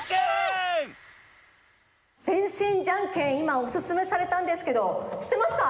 全身じゃんけんいまおすすめされたんですけどしってますか？